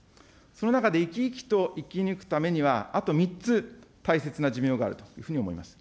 その中で生き生きと生き抜くためには、あと３つ、大切な寿命があるというふうに思います。